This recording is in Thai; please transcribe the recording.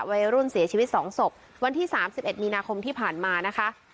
วัยรุ่นเสียชีวิตสองศพวันที่สามสิบเอ็ดมีนาคมที่ผ่านมานะคะ